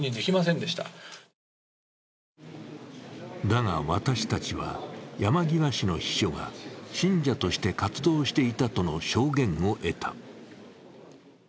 だが、私たちは山際氏の秘書が信者として活動していたとの証言を得た。